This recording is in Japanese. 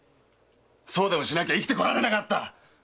そうでもしなきゃ生きてこられなかった！